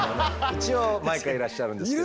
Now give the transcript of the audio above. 一応毎回いらっしゃるんですけれども。